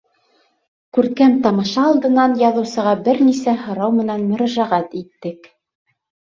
Күркәм тамаша алдынан яҙыусыға бер нисә һорау менән мөрәжәғәт иттек.